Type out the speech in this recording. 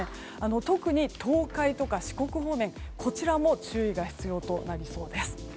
特に東海とか四国方面こちらも注意が必要となりそうです。